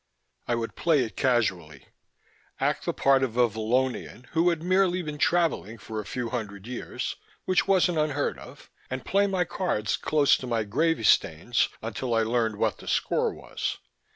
I would play it casually: act the part of a Vallonian who had merely been travelling for a few hundred years which wasn't unheard of and play my cards close to my gravy stains until I learned what the score was.